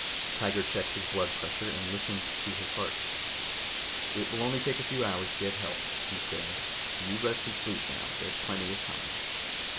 Tiger checked his blood pressure and listened to his heart. "It will only take a few hours to get help," he said. "You rest and sleep now. There's plenty of time."